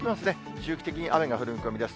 周期的に雨が降る見込みです。